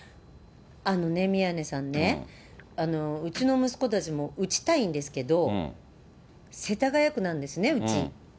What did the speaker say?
あのね、宮根さんね、うちの息子たちも打ちたいんですけど、世田谷区なんですね、うち。